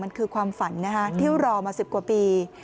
มันคือความฝันที่รอมา๑๐กว่าปี